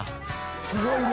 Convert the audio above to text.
すごいな。